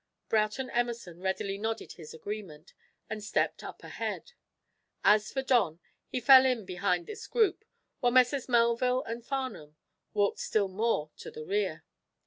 Broughton Emerson readily nodded his agreement, and stepped up ahead. As for Don, he fell in behind this group, while Messrs. Melville and Farnum walked still more to the rear.